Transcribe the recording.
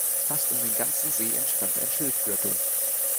Fast um den ganzen See entstand ein Schilfgürtel.